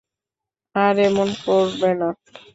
আর এমন করবে না।